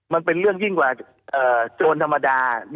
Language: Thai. มันเป็นเรื่องยิ่งกว่าโจรธรรมดา